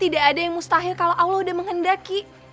tidak ada yang mustahil kalau allah udah menghendaki